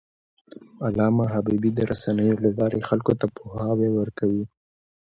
علامه حبيبي د رسنیو له لارې خلکو ته پوهاوی ورکړی.